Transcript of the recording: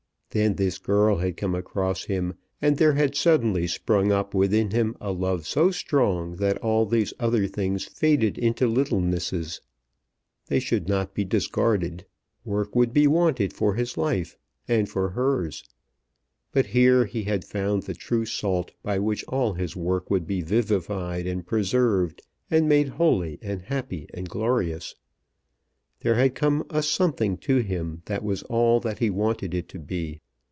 Then this girl had come across him, and there had suddenly sprung up within him a love so strong that all these other things faded into littlenesses. They should not be discarded. Work would be wanted for his life, and for hers. But here he had found the true salt by which all his work would be vivified and preserved and made holy and happy and glorious. There had come a something to him that was all that he wanted it to be.